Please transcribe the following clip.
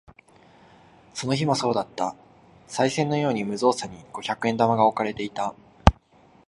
その日もそうだった。賽銭のように無造作に五百円玉が置かれていた。